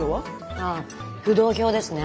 ああ浮動票ですね。